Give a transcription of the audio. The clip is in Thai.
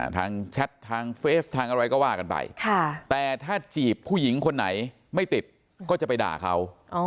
แชททางเฟสทางอะไรก็ว่ากันไปแต่ถ้าจีบผู้หญิงคนไหนไม่ติดก็จะไปด่าเขา